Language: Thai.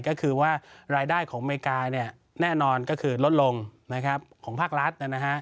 ก็คือว่ารายได้ของอเมริกาแน่นอนก็คือลดลงของภาครัฐ